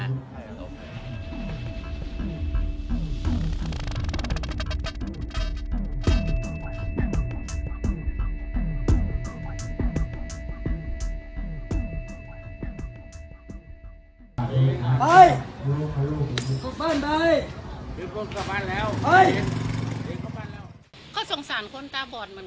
เอ้ยบ้านไปลุกกลับบ้านแล้วเฮ้ย